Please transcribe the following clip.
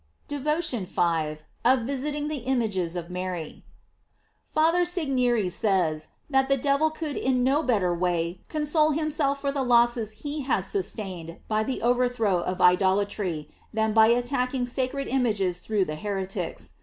DEVOTION V. OF VISITING THE IMAGES OP MARY. FATHER SEGNERisays, that the devil could in no better way console himself for the losses he has sustained by the overthrow of idolatry, than 658 GLORIES OF MARY. by attacking sacred images through the heretics.